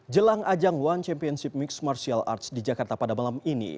jelang ajang one championship mixed martial arts di jakarta pada malam ini